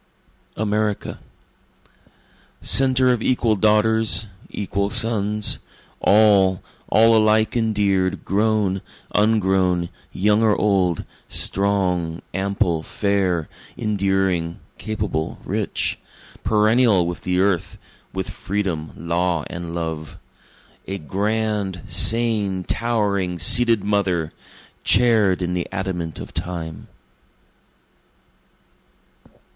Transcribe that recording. America Centre of equal daughters, equal sons, All, all alike endear'd, grown, ungrown, young or old, Strong, ample, fair, enduring, capable, rich, Perennial with the Earth, with Freedom, Law and Love, A grand, sane, towering, seated Mother, Chair'd in the adamant of Time.